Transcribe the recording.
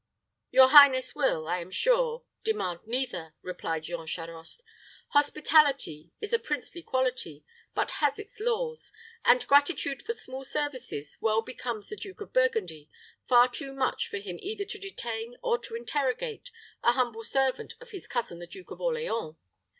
"Your highness will, I am sure, demand neither," replied Jean Charost. "Hospitality is a princely quality, but has its laws; and gratitude for small services well becomes the Duke of Burgundy far too much for him either to detain or to interrogate a humble servant of his cousin the Duke of Orleans.